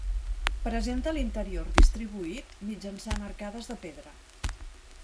Presenta l'interior distribuït mitjançant arcades de pedra.